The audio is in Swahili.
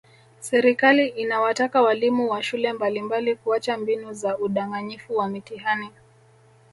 Serikali inawataka walimu wa shule mbalimbali kuacha mbinu za udanganyifu wa mitihani